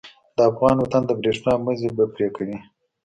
د افغان وطن د برېښنا مزی به پرې کوي.